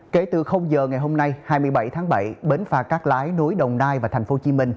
kể từ giờ ngày hôm nay hai mươi bảy tháng bảy bến phà cắt lái nối đồng nai và tp hcm